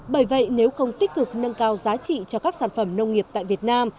bởi vậy nếu không tích cực nâng cao giá trị cho các sản phẩm nông nghiệp tại việt nam